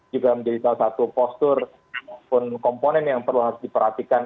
juga menjadi salah satu postur ataupun komponen yang perlu harus diperhatikan